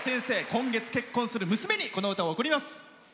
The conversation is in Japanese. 今月、結婚する娘にこの歌を贈ります。